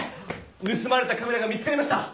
ぬすまれたカメラが見つかりました！